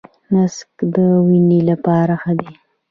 نسک د وینې لپاره ښه دي.